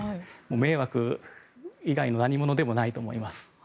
迷惑以外の何物でもないと思います。